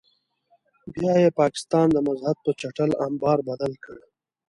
بیا یې پاکستان د مذهب په چټل امبار بدل کړ.